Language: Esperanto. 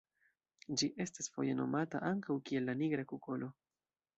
Ĝi estas foje nomata ankaŭ kiel la nigra kukolo.